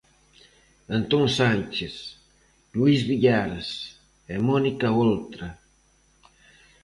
Antón Sánchez, Luís Villares e Mónica Oltra.